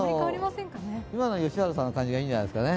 今の良原さんの感じがいいんじゃないですかね。